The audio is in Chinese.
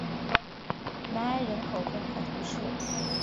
梅埃人口变化图示